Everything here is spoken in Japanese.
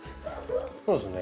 そうですね。